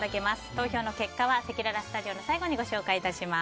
投票結果はせきららスタジオの最後にご紹介いたします。